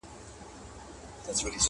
چي خوري در نه ژوندي بچي د میني {قاسم یاره